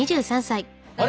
あれ？